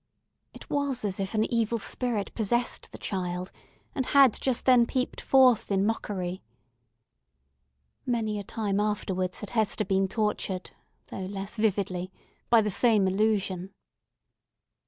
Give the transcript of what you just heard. It was as if an evil spirit possessed the child, and had just then peeped forth in mockery. Many a time afterwards had Hester been tortured, though less vividly, by the same illusion.